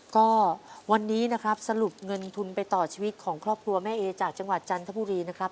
ก็วันนี้นะครับสรุปเงินทุนไปต่อชีวิตของครอบครัวแม่เอจากจังหวัดจันทบุรีนะครับ